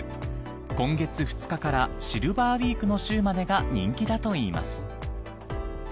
今月２日からシルバーウイークの週までが人気だといいます。